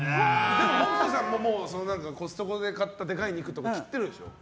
でも北斗さんがコストコで買ったでかい肉とか切ってるでしょ。